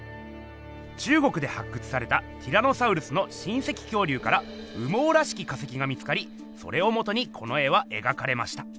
中国で発掘されたティラノサウルスの親せき恐竜から羽毛らしき化石が見つかりそれをもとにこの絵は描かれました。